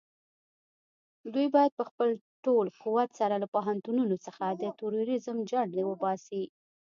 دوی بايد په خپل ټول قوت سره له پوهنتونونو څخه د تروريزم جرړې وباسي.